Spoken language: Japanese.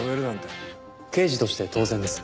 刑事として当然です。